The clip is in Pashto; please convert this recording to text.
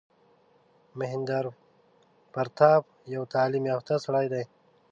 مهیندراپراتاپ یو تعلیم یافته سړی دی.